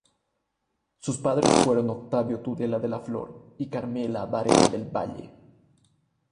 Sus padres fueron Octavio Tudela de la Flor y Carmela Varela del Valle.